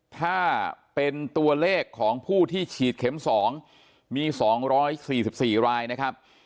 ถ้าเป็นตัวเลขของผู้ที่ฉีดเข็ม๒มี๒๔๔รายนะครับ